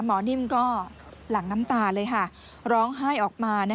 หมอนิมก็หลังน้ำตาเลยร้องไห้ออกมา